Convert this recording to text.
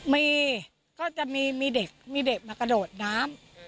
มีก็จะมีเด็กมีเด็กมากระโดดน้ำ